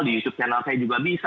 di youtube channel saya juga bisa